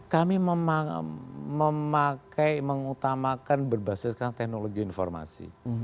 kami memakai mengutamakan berbasiskan teknologi informasi